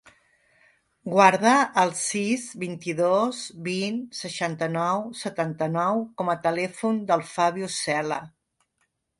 Guarda el sis, vint-i-dos, vint, seixanta-nou, setanta-nou com a telèfon del Fabio Cela.